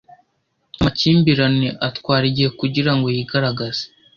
Amakimbirane atwara igihe kugira ngo yigaragaze